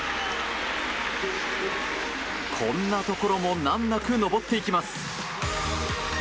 こんなところも難なく登っていきます。